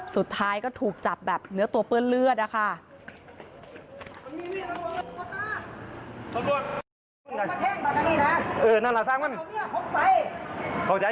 สุดท้ายก็ถูกจับแบบเนื้อตัวเปื้อนเลือดนะคะ